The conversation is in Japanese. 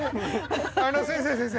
あの先生先生！